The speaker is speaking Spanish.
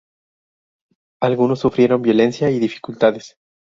Algunos sufrieron violencia y dificultades.